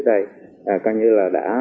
đầu năm hai nghìn hai mươi một